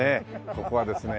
ここはですね